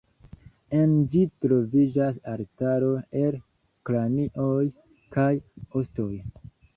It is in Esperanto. En ĝi troviĝas altaro el kranioj kaj ostoj.